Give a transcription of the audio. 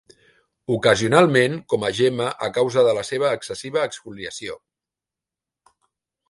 Ocasionalment, com a gemma, a causa de la seva excessiva exfoliació.